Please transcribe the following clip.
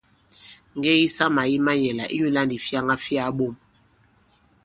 Ŋgɛŋ yisamà yi mayɛ̀là, inyūlā ndǐ fyaŋa fi kaɓom.